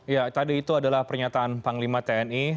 ya tadi itu adalah pernyataan panglima tni